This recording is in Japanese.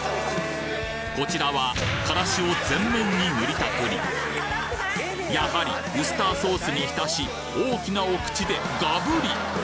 こちらはからしを全面に塗りたくりやはりウスターソースに浸し大きなお口でガブリ